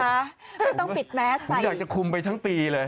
ไม่ต้องปิดแมสผมอยากจะคุมไปทั้งปีเลย